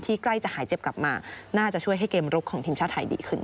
ใกล้จะหายเจ็บกลับมาน่าจะช่วยให้เกมลุกของทีมชาติไทยดีขึ้น